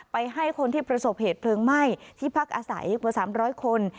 ให้คนที่ประสบเหตุเพลิงไหม้ที่พักอาศัยกว่า๓๐๐คน